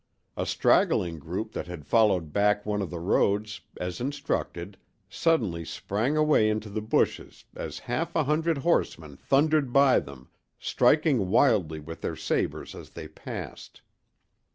A straggling group that had followed back one of the roads, as instructed, suddenly sprang away into the bushes as half a hundred horsemen thundered by them, striking wildly with their sabres as they passed.